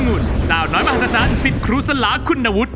ฮังุ่นสาวน้อยมหาศาลสิทธิ์ครูสลาคุณนวุฒิ